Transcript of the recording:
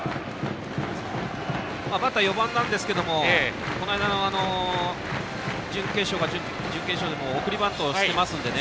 バッターは４番なんですがこの間の準決勝か準々決勝でも送りバントをしていますのでね。